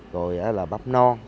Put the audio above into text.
rồi là bắp non